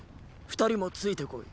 二人もついて来い。